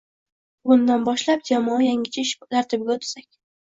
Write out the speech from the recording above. Bugundan boshlab jamoa yangicha ish tartibiga oʻtsak.